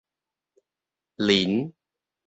燐